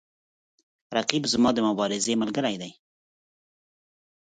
رقیب زما د مبارزې ملګری دی